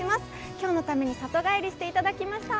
今日のために里帰りしていただきました。